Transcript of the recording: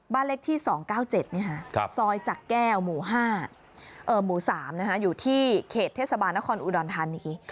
บ้านเลขที่๒๙๗ซอยจักรแก้วหมู่๕หมู่๓อยู่ที่เขตเทศบาลนครอุดรธานี